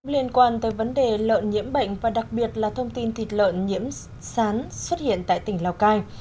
liên quan tới vấn đề lợn nhiễm bệnh và đặc biệt là thông tin thịt lợn nhiễm sán xuất hiện tại tỉnh lào cai